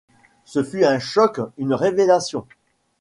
Ce fut un choc, une révélation.